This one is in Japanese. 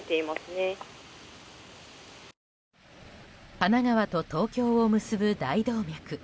神奈川と東京を結ぶ大動脈